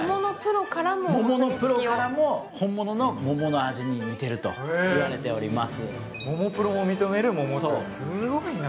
桃のプロからも本物の桃の味に近いと言われております。